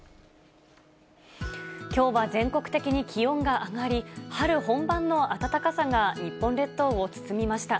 きょうは全国的に気温が上がり、春本番の暖かさが日本列島を包みました。